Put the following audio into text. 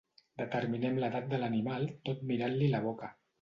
Determinem l'edat de l'animal tot mirant-li la boca.